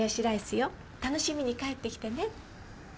楽しみに帰ってきてね。